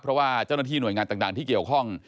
เพราะว่าเจ้าหน้าที่หน่วยงานต่างที่เกี่ยวข้อง